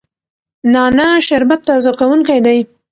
نعنا شربت تازه کوونکی دی.